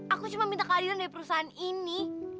aku cuma minta kehadiran dari perusahaan ini